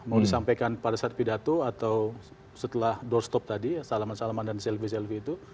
mau disampaikan pada saat pidato atau setelah doorstop tadi salaman salaman dan selfie selfie itu